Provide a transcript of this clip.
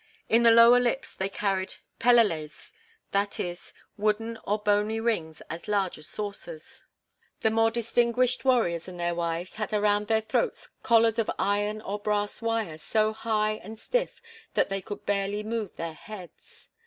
In the lower lips they carried "peleles," that is, wooden or bony rings as large as saucers. The more distinguished warriors and their wives had around their throats collars of iron or brass wire so high and stiff that they could barely move their heads.